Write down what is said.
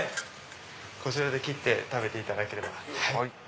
こちらで切って食べていただければ。